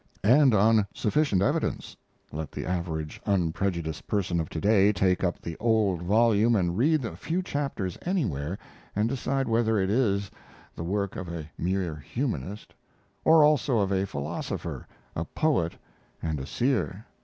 And on sufficient evidence: let the average unprejudiced person of to day take up the old volume and read a few chapters anywhere and decide whether it is the work of a mere humorist, or also of a philosopher, a poet, and a seer.